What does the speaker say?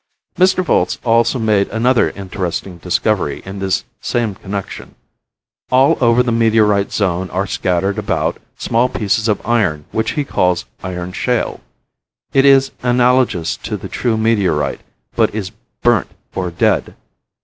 Mr. Volz also made another interesting discovery in this same connection. All over the meteorite zone are scattered about small pieces of iron which he calls "iron shale." It is analogous to the true meteorite, but is "burnt" or "dead."